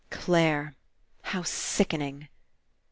Clare! How sickening!